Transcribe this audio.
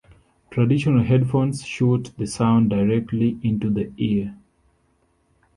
Traditional headphones shoot the sound directly into the ear.